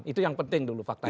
itu yang penting dulu faktanya